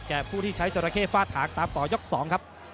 ผู้ที่ใช้จราเข้ฟาดถางตามต่อยก๒ครับ